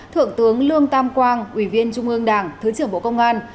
thượng tướng lương tam quang ủy viên trung ương đảng thứ trưởng bộ công an